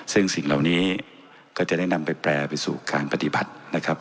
ซึ่งสิ่งเหล่านี้ก็จะได้นำไปแปลไปสู่การปฏิบัตินะครับ